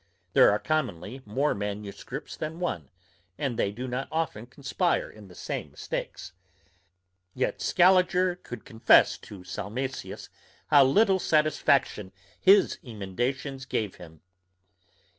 There are commonly more manuscripts than one; and they do not often conspire in the same mistakes. Yet Scaliger could confess to Salmasius how little satisfaction his emendations gave him.